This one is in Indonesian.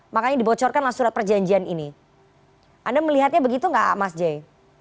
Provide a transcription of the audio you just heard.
mas jai apa pendapat anda mengenai surat perjanjian ini anda melihatnya begitu enggak mas jai